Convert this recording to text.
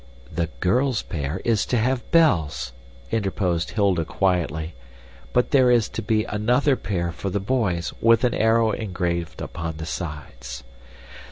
"The girls' pair is to have bells," interposed Hilda quietly, "but there is to be another pair for the boys with an arrow engraved upon the sides."